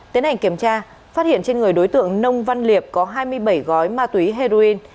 tiến hành kiểm tra phát hiện trên người đối tượng nông văn liệp có hai mươi bảy gói ma túy heroin